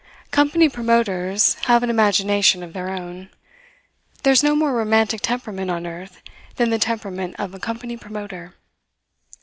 Company promoters have an imagination of their own. There's no more romantic temperament on earth than the temperament of a company promoter.